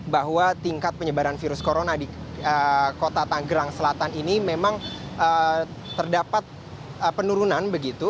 bahwa tingkat penyebaran virus corona di kota tanggerang selatan ini memang terdapat penurunan begitu